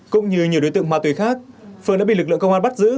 cũng như nhiều đối tượng ma túy khác phương đã bị lực lượng công an bắt giữ